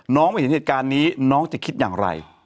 ไม่เห็นเหตุการณ์นี้น้องจะคิดอย่างไร